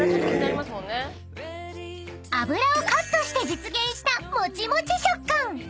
［油をカットして実現したもちもち食感］